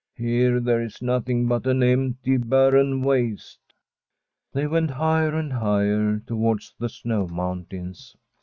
* Here there is nothing but an empty, barren waste.' They went higher and higher towards the snow mountains.